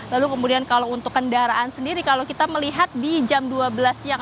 lalu kemudian kalau untuk kendaraan sendiri kalau kita melihat di jam dua belas siang